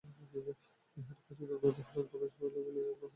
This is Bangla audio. বিহারীর কাছে দুর্বলতা হঠাৎ প্রকাশ পাইল বলিয়া মহেন্দ্রের মনটা যেন জ্বলিয়া উঠিল।